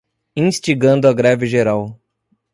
Instigando a greve geral